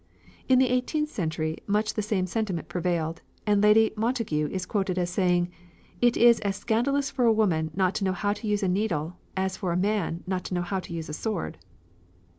In the eighteenth century much the same sentiment prevailed, and Lady Montagu is quoted as saying: "It is as scandalous for a woman not to know how to use a needle as for a man not to know how to use a sword."